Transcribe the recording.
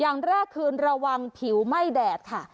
อย่างแรกคือระวังผิวไหม้แดดค่ะ